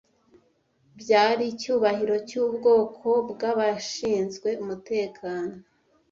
Byari icyubahiro cyubwoko bwabashinzwe umutekano,